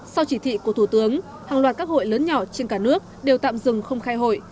sau chỉ thị của thủ tướng hàng loạt các hội lớn nhỏ trên cả nước đều tạm dừng không khai hội